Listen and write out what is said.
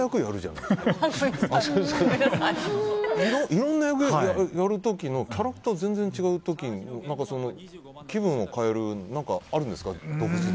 いろんな役やる時のキャラクターが全然違う時気分を変える方法はあるんですか。